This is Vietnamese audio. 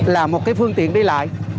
là một cái phương tiện đi lại